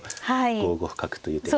５五角という手が。